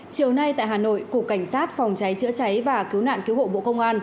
chiều nay tại hà nội cục cảnh sát phòng cháy chữa cháy và cứu nạn cứu hộ bộ công an